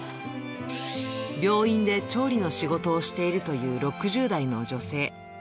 病院で調理の仕事をしているという６０代の女性。